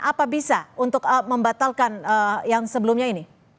apa bisa untuk membatalkan yang sebelumnya ini